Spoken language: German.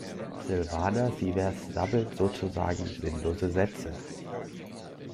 Silvana Sievers sabbelt sozusagen sinnlose Sätze.